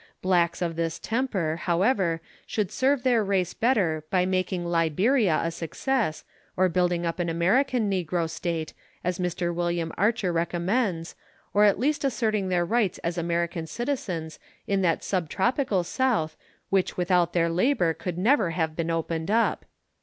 Blacks of this temper, however, would serve their race better by making Liberia a success or building up an American negro State, as Mr. William Archer recommends, or at least asserting their rights as American citizens in that sub tropical South which without their labour could never have been opened up.